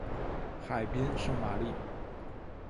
海滨圣玛丽。